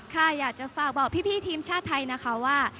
ค่ะอยากจะฝากบอกพี่ทีมชาติไทยนะคะว่า